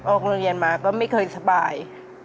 ออกโรงเรียนมาก็ไม่เคยสบาย